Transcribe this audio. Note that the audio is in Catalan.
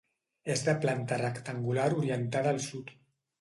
És de planta rectangular orientada al Sud.